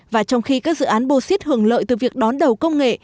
và trong khi các dự án bô xiết hưởng lợi từ việc đón đầu công nghệ